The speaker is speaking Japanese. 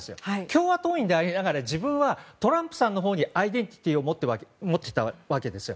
共和党員でありながら自分はトランプさんのほうにアイデンティティーを持っていたわけです。